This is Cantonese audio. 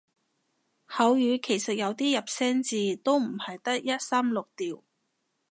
口語其實有啲入聲字都唔係得一三六調